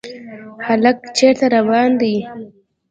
هلک چېرته روان دی ؟